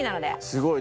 すごい。